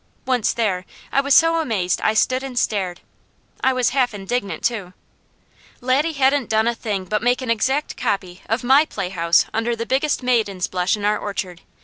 Once there I was so amazed I stood and stared. I was half indignant too. Laddie hadn't done a thing but make an exact copy of my playhouse under the biggest maiden's blush in our orchard.